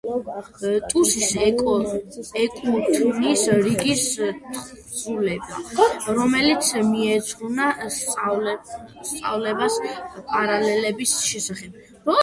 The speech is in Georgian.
ტუსის ეკუთვნის რიგი თხზულება, რომელიც მიეძღვნა სწავლებას პარალელების შესახებ.